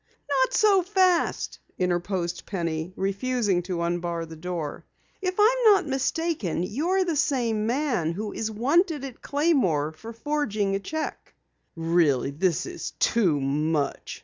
"Not so fast," interposed Penny, refusing to unbar the door, "if I'm not mistaken you're the same man who is wanted at Claymore for forging a cheque." "Really, this is too much!"